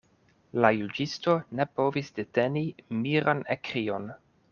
La juĝisto ne povis deteni miran ekkrion.